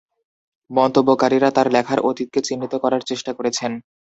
মন্তব্যকারীরা তার লেখার অতীতকে চিহ্নিত করার চেষ্টা করেছেন।